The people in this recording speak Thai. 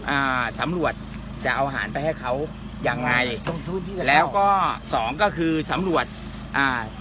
อ่าสำรวจจะเอาหารไปให้เขาอย่างไรแล้วก็สองก็คือสำรวจอ่า